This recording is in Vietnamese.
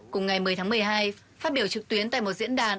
cùng ngày một mươi tháng một mươi hai phát biểu trực tuyến tại một diễn đàn